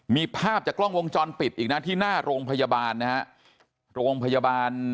มีภาพจากกล้องวงจรปิดอีกนะที่หน้าโรงพยาบาลนะฮะโรงพยาบาล